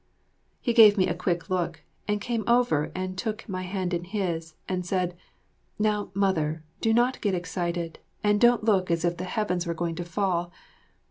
He gave me a quick look, and came over and took my hand in his, and said, "Now, Mother, do not get excited, and don't look as if the Heavens were going to fall.